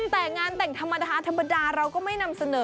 แต่งานแต่งธรรมดาธรรมดาเราก็ไม่นำเสนอ